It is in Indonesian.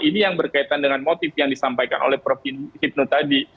ini yang berkaitan dengan motif yang disampaikan oleh prof hipnu tadi